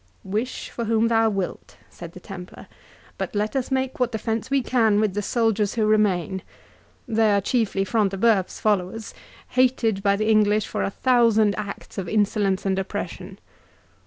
"Wish for whom thou wilt," said the Templar, "but let us make what defence we can with the soldiers who remain—They are chiefly Front de Bœuf's followers, hated by the English for a thousand acts of insolence and oppression."